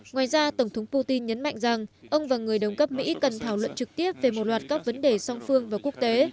ngoài ra tổng thống putin nhấn mạnh rằng ông và người đồng cấp mỹ cần thảo luận trực tiếp về một loạt các vấn đề song phương và quốc tế